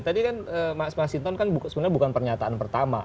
tadi kan mas masinton kan sebenarnya bukan pernyataan pertama